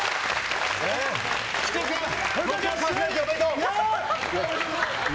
福君、おめでとう。